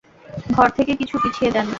ঘর থেকে কিছু পিছিয়ে দেন।